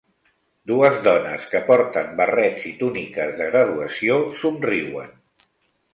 Dues dones que porten barrets i túniques de graduació somriuen.